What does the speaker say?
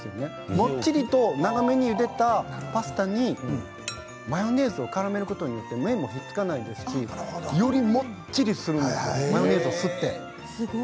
もっちりと長めにゆでたパスタにマヨネーズをからめることによって麺もひっつかないですしより、もっちりするのでマヨネーズを吸って。